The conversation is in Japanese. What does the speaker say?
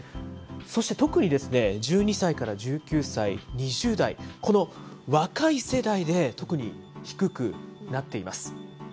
そしてとくに１２歳から１９歳、２０代、この若い世代で特に低くなっています。